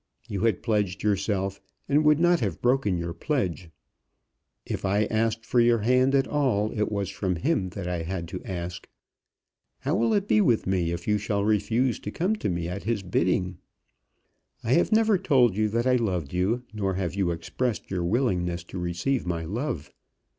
You had pledged yourself, and would not have broken your pledge. If I asked for your hand at all, it was from him that I had to ask. How will it be with me if you shall refuse to come to me at his bidding? I have never told you that I loved you, nor have you expressed your willingness to receive my love.